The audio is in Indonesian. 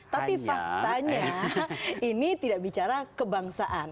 tapi faktanya ini tidak bicara kebangsaan